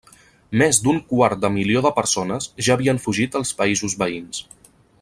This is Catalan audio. Més d'un quart de milió de persones ja havien fugit als països veïns.